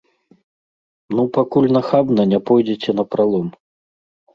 Ну, пакуль нахабна не пойдзеце напралом.